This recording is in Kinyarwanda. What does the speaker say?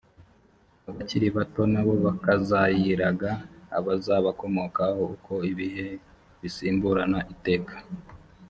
abakiri bato nabo bakazayiraga abazabakomokaho uko ibihe bisimburana iteka.